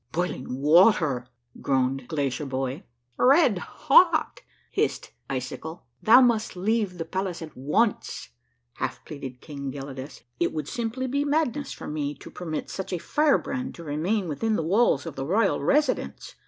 " Boiling water !" groaned Glacierbhoy. " Red hot !" hissed Icikul. '■'•Thou must leave the palace at once," half pleaded King Gelidus. "It would simply he madness for me to permit such a firehrand to remain within the walls of the royal residence.